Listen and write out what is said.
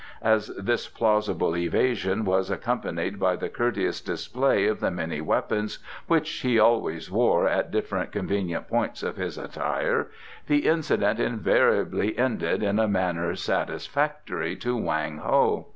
As this plausible evasion was accompanied by the courteous display of the many weapons which he always wore at different convenient points of his attire, the incident invariably ended in a manner satisfactory to Wang Ho.